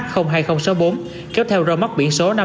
năm mươi h hai nghìn sáu mươi bốn kéo theo rau mắt biển số